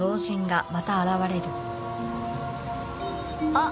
あっ！